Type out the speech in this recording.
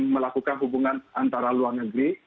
melakukan hubungan antara luar negeri